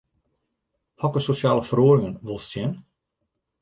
Hokker sosjale feroaringen wolst sjen?